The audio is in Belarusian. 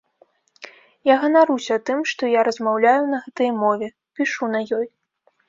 Я ганаруся тым, што я размаўляю на гэтай мове, пішу на ёй.